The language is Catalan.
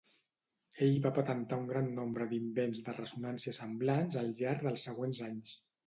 Ell va patentar un gran nombre d'invents de ressonnància semblants al llarg dels següents anys.